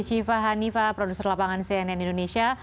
syifa hanifah produser lapangan cnn indonesia